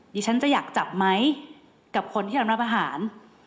ดิฉันจะอยากจับไหมกับคนที่เรารับอาหาร